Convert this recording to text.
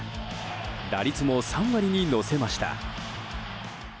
打率も３割に乗せました。